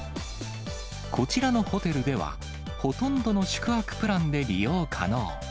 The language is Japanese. こちらのホテルでは、ほとんどの宿泊プランで利用可能。